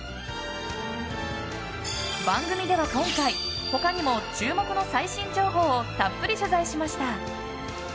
番組では今回他にも注目の最新情報をたっぷり取材しました。